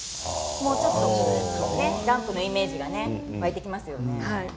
もう、ちょっとランプのイメージが湧いてきますよね。